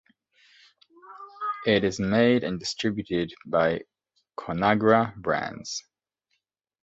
It is made and distributed by Conagra Brands.